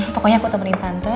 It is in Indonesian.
pokoknya aku temenin tante